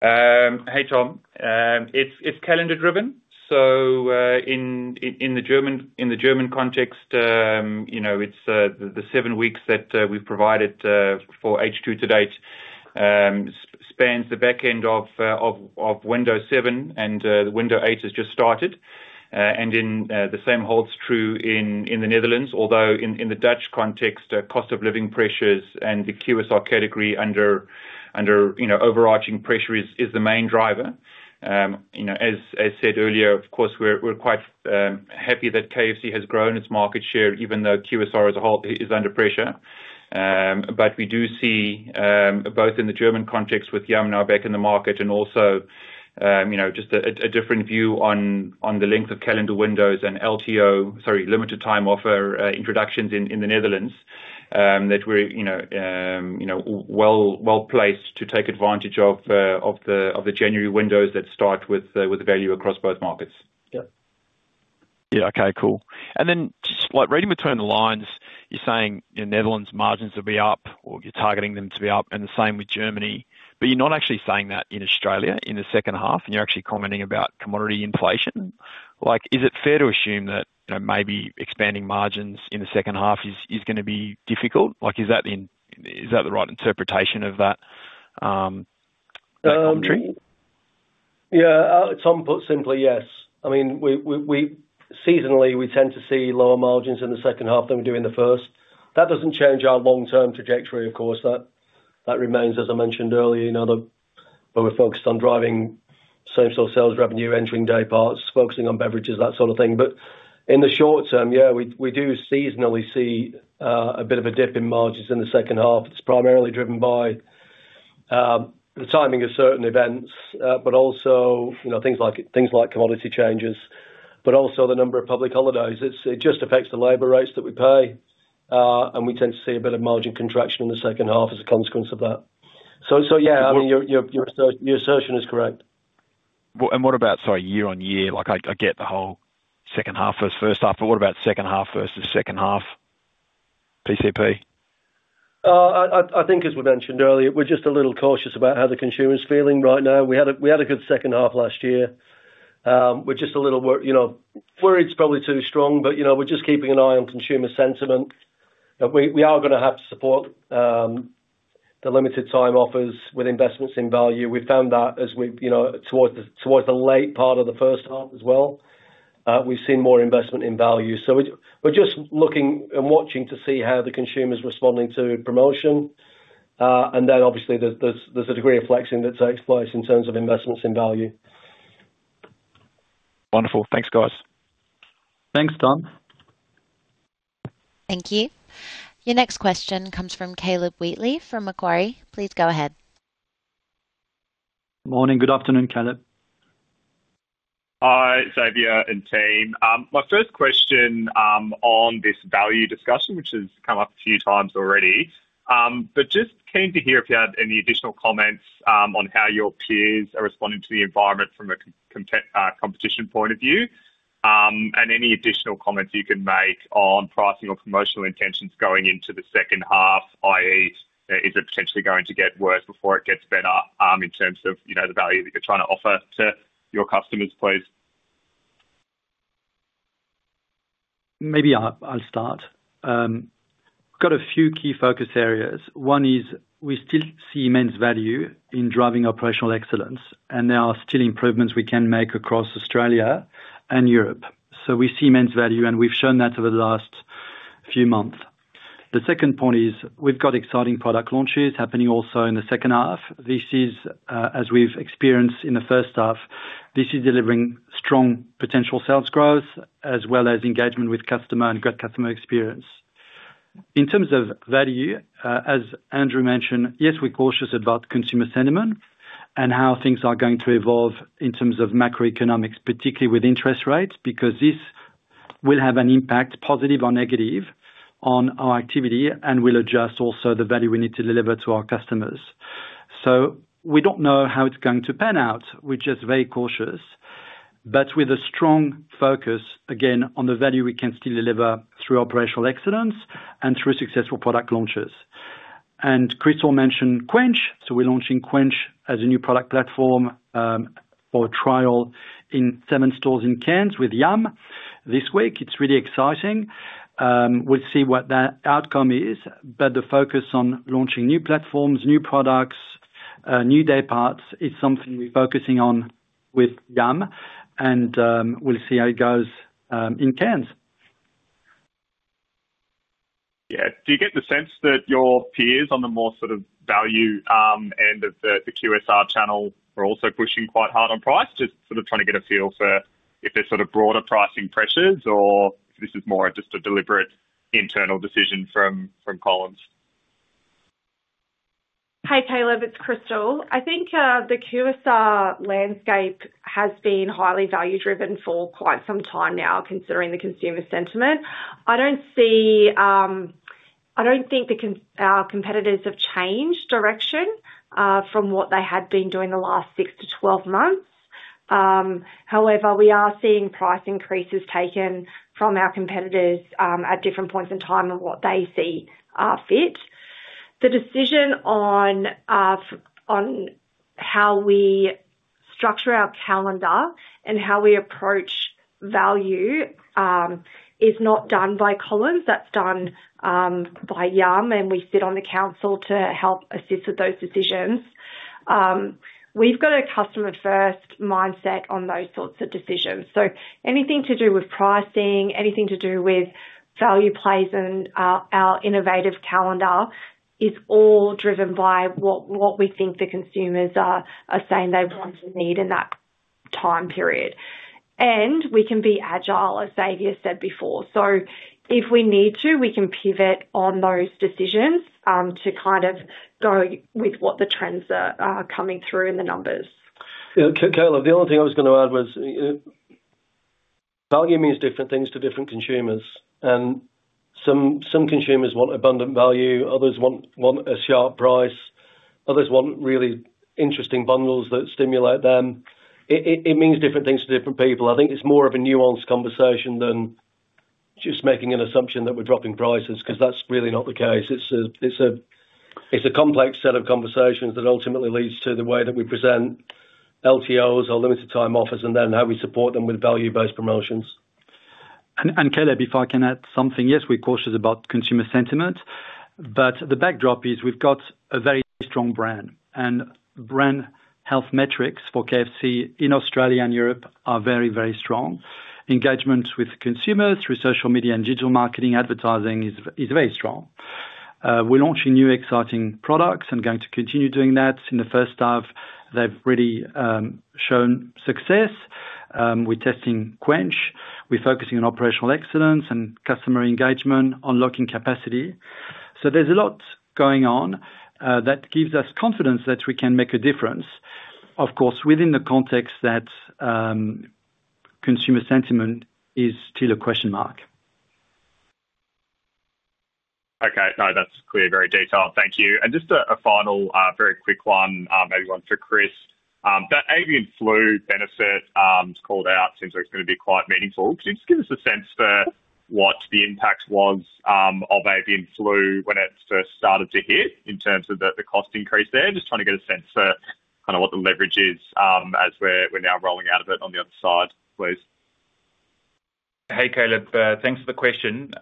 Hey, Tom. It's calendar-driven. In the German context, it's the seven weeks that we've provided for H2 to date spans the back end of window seven, and window eight has just started. The same holds true in the Netherlands, although in the Dutch context, cost of living pressures and the QSR category under overarching pressure is the main driver. As said earlier, of course, we're quite happy that KFC has grown its market share, even though QSR as a whole is under pressure. We do see, both in the German context with Yum now back in the market and also just a different view on the length of calendar windows and LTO, sorry, limited-time offer introductions in the Netherlands, that we're well placed to take advantage of the January windows that start with value across both markets.
Yeah. Yeah. Okay. Cool. And then just reading between the lines, you're saying Netherlands' margins will be up or you're targeting them to be up, and the same with Germany. You're not actually saying that in Australia in the second half, and you're actually commenting about commodity inflation. Is it fair to assume that maybe expanding margins in the second half is going to be difficult? Is that the right interpretation of that commentary?
Yeah. Tom, put simply, yes. I mean, seasonally, we tend to see lower margins in the second half than we do in the first. That does not change our long-term trajectory, of course. That remains, as I mentioned earlier, in other. We are focused on driving same-store sales revenue, entering day parts, focusing on beverages, that sort of thing. In the short-term, yeah, we do seasonally see a bit of a dip in margins in the second half. It is primarily driven by the timing of certain events, but also things like commodity changes, and also the number of public holidays. It just affects the labor rates that we pay. We tend to see a bit of margin contraction in the second half as a consequence of that. Yeah, I mean, your assertion is correct.
What about, sorry, year on year? I get the whole second half versus first half, but what about second half versus second half PCP?
I think, as we mentioned earlier, we're just a little cautious about how the consumer's feeling right now. We had a good second half last year. We're just a little worried it's probably too strong, but we're just keeping an eye on consumer sentiment. We are going to have to support the limited-time offers with investments in value. We've found that towards the late part of the first half as well, we've seen more investment in value. We're just looking and watching to see how the consumer's responding to promotion. Obviously, there's a degree of flexing that takes place in terms of investments in value.
Wonderful. Thanks, guys.
Thanks, Tom.
Thank you. Your next question comes from Caleb Wheatley from Macquarie. Please go ahead.
Morning. Good afternoon, Caleb.
Hi, Xavier and Team. My first question on this value discussion, which has come up a few times already, but just keen to hear if you had any additional comments on how your peers are responding to the environment from a competition point of view and any additional comments you can make on pricing or promotional intentions going into the second half, i.e., is it potentially going to get worse before it gets better in terms of the value that you're trying to offer to your customers, please?
Maybe I'll start. We've got a few key focus areas. One is we still see immense value in driving operational excellence, and there are still improvements we can make across Australia and Europe. We see immense value, and we've shown that over the last few months. The second point is we've got exciting product launches happening also in the second half. This is, as we've experienced in the first half, delivering strong potential sales growth as well as engagement with customer and great customer experience. In terms of value, as Andrew mentioned, yes, we're cautious about consumer sentiment and how things are going to evolve in terms of macroeconomics, particularly with interest rates, because this will have an impact, positive or negative, on our activity and will adjust also the value we need to deliver to our customers. We do not know how it is going to pan out. We are just very cautious, with a strong focus, again, on the value we can still deliver through operational excellence and through successful product launches. Chris also mentioned Quenched. We are launching Quenched as a new product platform for trial in seven stores in Cairns with Yum. This week, it is really exciting. We will see what that outcome is. The focus on launching new platforms, new products, new day parts is something we are focusing on with Yum. We will see how it goes in Cairns.
Yeah. Do you get the sense that your peers on the more sort of value end of the QSR channel are also pushing quite hard on price, just sort of trying to get a feel for if there's sort of broader pricing pressures or if this is more just a deliberate internal decision from Collins?
Hi, Caleb. It's Krystal. I think the QSR landscape has been highly value-driven for quite some time now, considering the consumer sentiment. I don't think our competitors have changed direction from what they had been doing the last 6 to 12 months. However, we are seeing price increases taken from our competitors at different points in time and what they see are fit. The decision on how we structure our calendar and how we approach value is not done by Collins. That's done by Yum, and we sit on the council to help assist with those decisions. We've got a customer-first mindset on those sorts of decisions. Anything to do with pricing, anything to do with value plays in our innovative calendar is all driven by what we think the consumers are saying they want and need in that time period. We can be agile, as Xavier said before. If we need to, we can pivot on those decisions to kind of go with what the trends are coming through in the numbers.
Yeah. Caleb, the only thing I was going to add was value means different things to different consumers. Some consumers want abundant value. Others want a sharp price. Others want really interesting bundles that stimulate them. It means different things to different people. I think it's more of a nuanced conversation than just making an assumption that we're dropping prices because that's really not the case. It's a complex set of conversations that ultimately leads to the way that we present LTOs or limited-time offers and then how we support them with value-based promotions.
Caleb, if I can add something, yes, we're cautious about consumer sentiment. The backdrop is we've got a very strong brand. Brand health metrics for KFC in Australia and Europe are very, very strong. Engagement with consumers through social media and digital marketing advertising is very strong. We're launching new exciting products and going to continue doing that. In the first half, they've really shown success. We're testing Quenched. We're focusing on operational excellence and customer engagement, unlocking capacity. There is a lot going on that gives us confidence that we can make a difference, of course, within the context that consumer sentiment is still a question mark.
Okay. No, that's clear, very detailed. Thank you. Just a final very quick one, maybe one for Chris. That avian flu benefit was called out. It seems like it's going to be quite meaningful. Could you just give us a sense for what the impact was of avian flu when it first started to hit in terms of the cost increase there? Just trying to get a sense for kind of what the leverage is as we're now rolling out of it on the other side, please.
Hey, Caleb. Thanks for the question.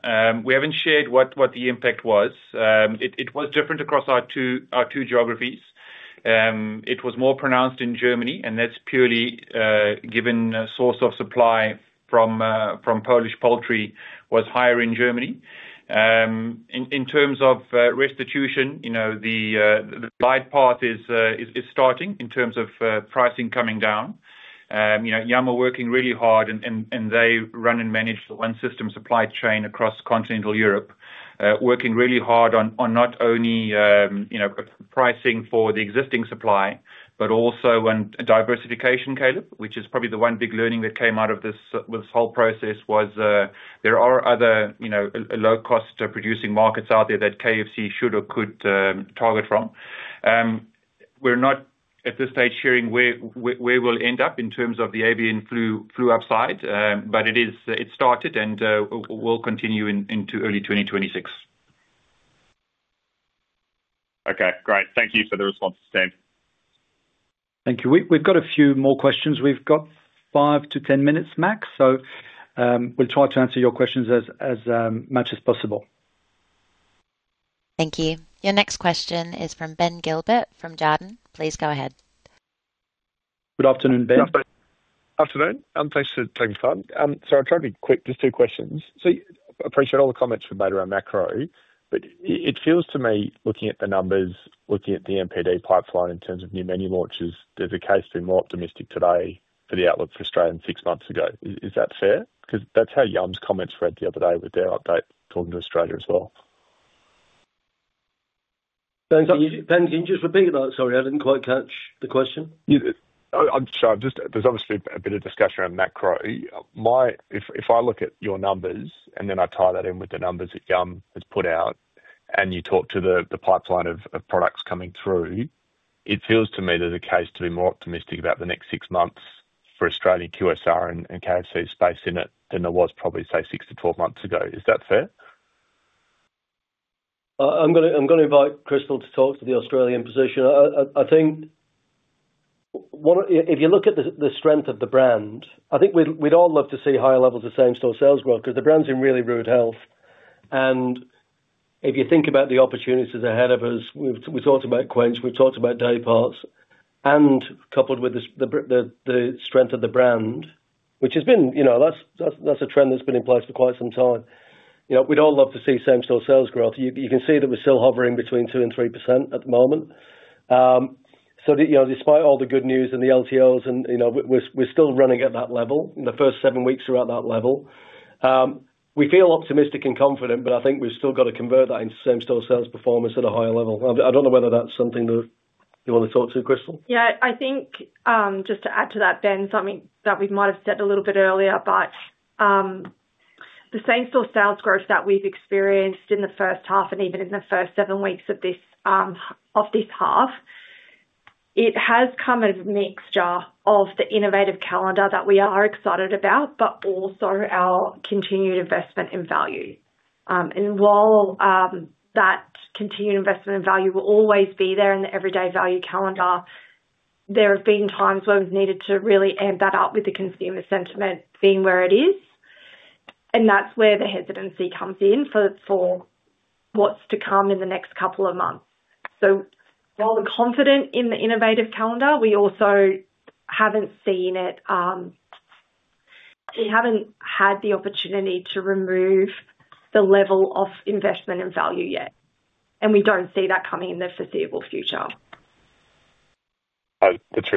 We haven't shared what the impact was. It was different across our two geographies. It was more pronounced in Germany, and that's purely given the source of supply from Polish poultry was higher in Germany. In terms of restitution, the light path is starting in terms of pricing coming down. Yum are working really hard, and they run and manage the one-system supply chain across continental Europe, working really hard on not only pricing for the existing supply, but also on diversification, Caleb, which is probably the one big learning that came out of this whole process was there are other low-cost producing markets out there that KFC should or could target from. We're not at this stage sharing where we'll end up in terms of the avian flu upside, but it started and will continue into early 2026.
Okay. Great. Thank you for the response, Tim.
Thank you. We've got a few more questions. We've got 5 to 10 minutes max. We will try to answer your questions as much as possible.
Thank you. Your next question is from Ben Gilbert from Jarden. Please go ahead.
Good afternoon, Ben.
Good afternoon. I'm pleased to take the time. I'll try to be quick. Just two questions. I appreciate all the comments from Mate around macro, but it feels to me, looking at the numbers, looking at the MPD pipeline in terms of new menu launches, there's a case to be more optimistic today for the outlook for Australia than six months ago. Is that fair? That's how Yum's comments read the other day with their update talking to Australia as well.
Thanks. Can you just repeat that? Sorry, I didn't quite catch the question.
I'm sure. There's obviously a bit of discussion around macro. If I look at your numbers and then I tie that in with the numbers that Yum has put out and you talk to the pipeline of products coming through, it feels to me there's a case to be more optimistic about the next six months for Australian QSR and KFC's space in it than there was probably, say, six to twelve months ago. Is that fair?
I'm going to invite Krystal to talk to the Australian position. I think if you look at the strength of the brand, I think we'd all love to see higher levels of same-store sales growth because the brand's in really rude health. If you think about the opportunities ahead of us, we've talked about Quenched. We've talked about day parts. Coupled with the strength of the brand, which has been that's a trend that's been in place for quite some time. We'd all love to see same-store sales growth. You can see that we're still hovering between 2%-3% at the moment. Despite all the good news and the LTOs, we're still running at that level in the first seven weeks throughout that level. We feel optimistic and confident, but I think we've still got to convert that into same-store sales performance at a higher level. I don't know whether that's something that you want to talk to, Krystal.
Yeah. I think just to add to that, Ben, something that we might have said a little bit earlier, but the same-store sales growth that we've experienced in the first half and even in the first seven weeks of this half, it has come at a mixture of the innovative calendar that we are excited about, but also our continued investment in value. While that continued investment in value will always be there in the everyday value calendar, there have been times where we've needed to really amp that up with the consumer sentiment being where it is. That's where the hesitancy comes in for what's to come in the next couple of months. While we're confident in the innovative calendar, we also haven't seen it. We haven't had the opportunity to remove the level of investment in value yet. We do not see that coming in the foreseeable future.
That's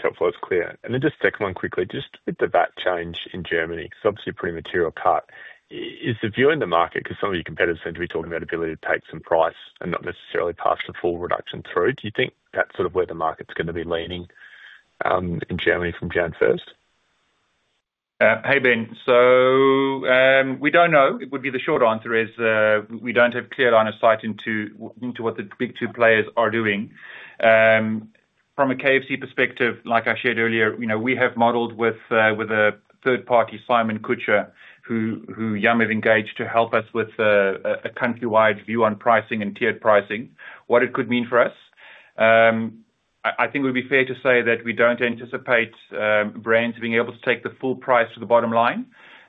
helpful. That's clear. Just the second one quickly, just with the VAT change in Germany, it's obviously a pretty material cut. Is the view in the market, because some of your competitors seem to be talking about ability to take some price and not necessarily pass the full reduction through, do you think that's sort of where the market's going to be leaning in Germany from January 1st?
Hey, Ben. We don't know. The short answer is we don't have a clear line of sight into what the big two players are doing. From a KFC perspective, like I shared earlier, we have modelled with a third-party, Simon-Kucher, who Yum! Brands have engaged to help us with a countrywide view on pricing and tiered pricing, what it could mean for us. I think it would be fair to say that we don't anticipate brands being able to take the full price to the bottom line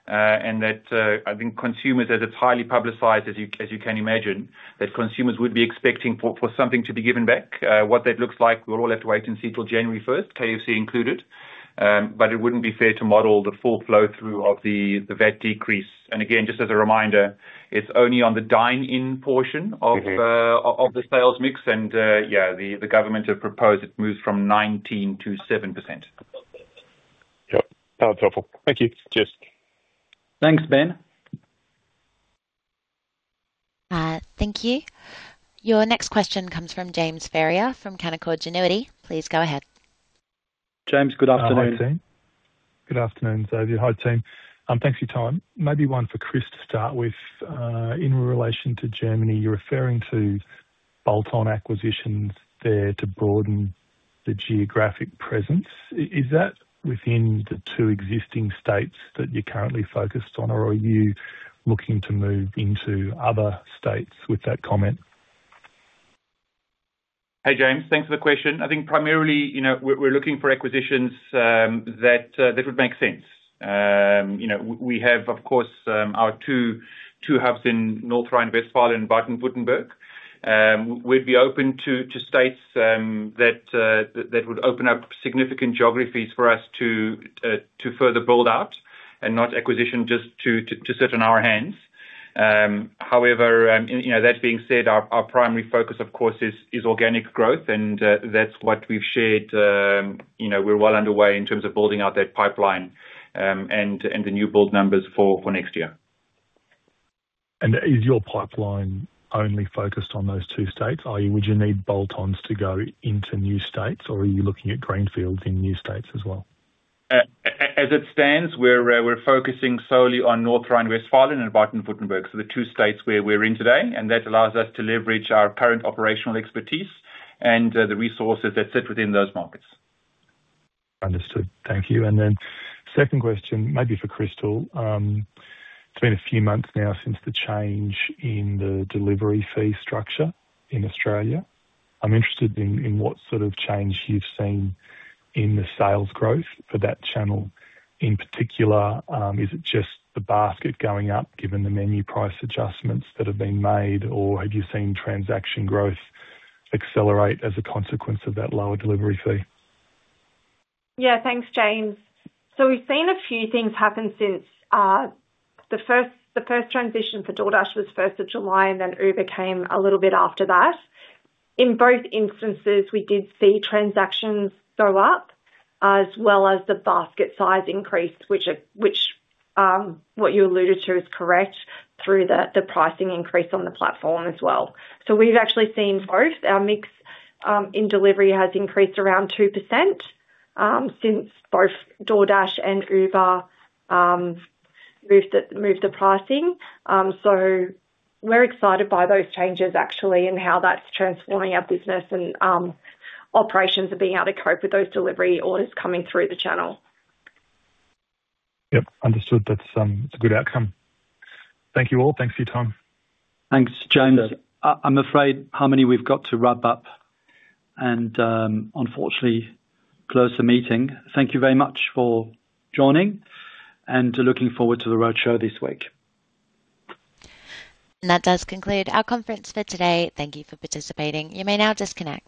and that I think consumers, as it's highly publicized, as you can imagine, that consumers would be expecting for something to be given back. What that looks like, we'll all have to wait and see till January 1, KFC included. It wouldn't be fair to model the full flow-through of the VAT decrease. Just as a reminder, it's only on the dine-in portion of the sales mix. The government have proposed it moves from 19%-7%.
Yep. That's helpful. Thank you. Just.
Thanks, Ben.
Thank you. Your next question comes from James Ferrier from Canaccord Genuity. Please go ahead.
James, good afternoon.
Hi, Team. Good afternoon, Xavier. Hi, Team. Thanks for your time. Maybe one for Chris to start with. In relation to Germany, you're referring to bolt-on acquisitions there to broaden the geographic presence. Is that within the two existing states that you're currently focused on, or are you looking to move into other states with that comment?
Hey, James. Thanks for the question. I think primarily we're looking for acquisitions that would make sense. We have, of course, our two hubs in North Rhine-Westphalia and Baden-Württemberg. We'd be open to states that would open up significant geographies for us to further build out and not acquisition just to sit on our hands. However, that being said, our primary focus, of course, is organic growth, and that's what we've shared. We're well underway in terms of building out that pipeline and the new build numbers for next year.
Is your pipeline only focused on those two states? Would you need Boltons to go into new states, or are you looking at grain fields in new states as well?
As it stands, we're focusing solely on North Rhine-Westphalia and Baden-Württemberg, so the two states where we're in today. That allows us to leverage our current operational expertise and the resources that sit within those markets.
Understood. Thank you. The second question, maybe for Krystal. It's been a few months now since the change in the delivery fee structure in Australia. I'm interested in what sort of change you've seen in the sales growth for that channel. In particular, is it just the basket going up given the menu price adjustments that have been made, or have you seen transaction growth accelerate as a consequence of that lower delivery fee?
Yeah. Thanks, James. We've seen a few things happen since the first transition for DoorDash was 1st of July, and then Uber came a little bit after that. In both instances, we did see transactions go up as well as the basket size increase, which what you alluded to is correct through the pricing increase on the platform as well. We've actually seen both. Our mix in delivery has increased around 2% since both DoorDash and Uber moved the pricing. We're excited by those changes, actually, and how that's transforming our business and operations and being able to cope with those delivery orders coming through the channel.
Yep. Understood. That's a good outcome. Thank you all. Thanks for your time.
Thanks, James. I'm afraid we have to wrap up and unfortunately close the meeting. Thank you very much for joining and looking forward to the roadshow this week.
That does conclude our conference for today. Thank you for participating. You may now disconnect.